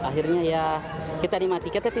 akhirnya ya kita dimatikan